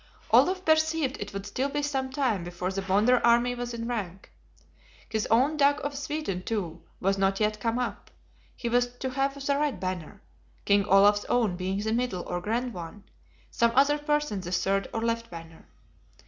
Olaf perceived it would still be some time before the Bonder army was in rank. His own Dag of Sweden, too, was not yet come up; he was to have the right banner; King Olaf's own being the middle or grand one; some other person the third or left banner.